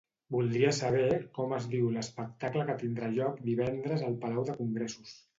Voldria saber com es diu l'espectacle que tindrà lloc divendres al Palau de Congressos.